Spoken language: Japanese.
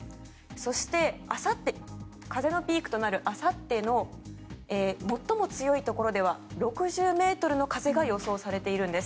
そして、風のピークとなるあさっては最も強いところでは６０メートルの風が予想されているんです。